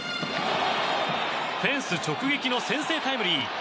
フェンス直撃の先制タイムリー！